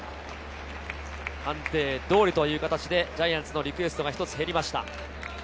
判定通りという形でジャイアンツのリクエストが一つ減りました。